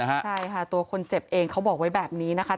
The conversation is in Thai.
ใช่ค่ะตัวคนเจ็บเองเขาบอกไว้แบบนี้นะคะ